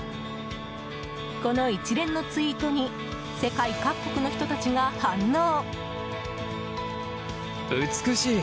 この一連のツイートに世界各国の人たちが反応。